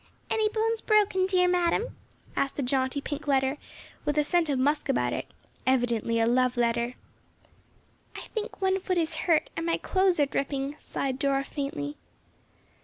"Any bones broken, dear madam?" asked a jaunty pink letter, with a scent of musk about it, evidently a love letter. "I think one foot is hurt, and my clothes are dripping," sighed Dora, faintly.